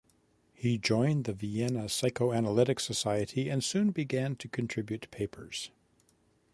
He joined the Vienna Psychoanalytic Society and soon began to contribute papers.